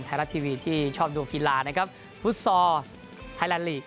ไทยรัฐทีวีที่ชอบดูกีฬานะครับฟุตซอลไทยแลนดลีก